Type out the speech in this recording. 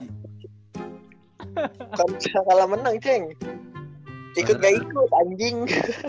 bukan cahala menang ceng ikut gak ikut anjing